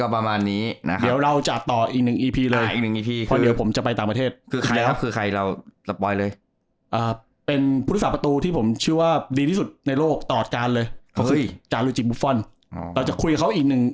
ผมว่าผมแซกตัวนี้มันสุดละ